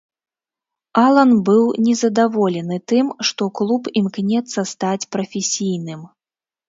Алан быў не задаволены тым, што клуб імкнецца стаць прафесійным.